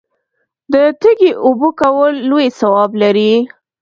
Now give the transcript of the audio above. د تږي اوبه کول لوی ثواب لري.